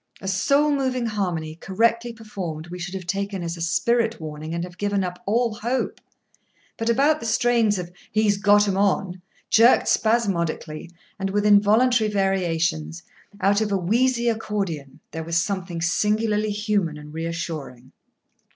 A soul moving harmony, correctly performed, we should have taken as a spirit warning, and have given up all hope. But about the strains of "He's got 'em on," jerked spasmodically, and with involuntary variations, out of a wheezy accordion, there was something singularly human and reassuring.